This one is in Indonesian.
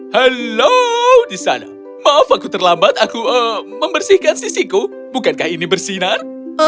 halo di sana maaf aku terlambat aku membersihkan sisiku bukankah ini bersinar